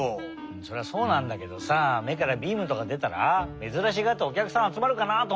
それはそうなんだけどさめからビームとかでたらめずらしがっておきゃくさんあつまるかなとおもって。